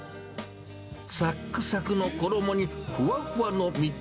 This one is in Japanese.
さっくさくの衣に、ふわふわの身。